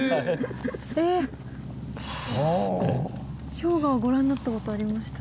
氷河をご覧になった事ありました？